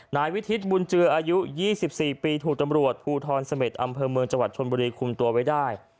นายวิทิศบุญเจืออายุ๒๔ปีถูกตำรวจภูทรเสม็ดอำเภอเมืองจังหวัดชนบุรีคุมตัวไว้ได้